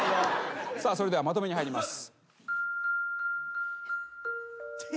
それではまとめに入ります。